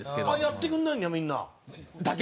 やってくれないんだみんな。